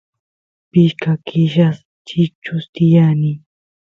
pishka killas chichus tiyani